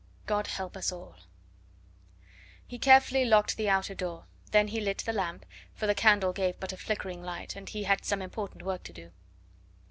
GOD HELP US ALL He carefully locked the outer door. Then he lit the lamp, for the candle gave but a flickering light, and he had some important work to do.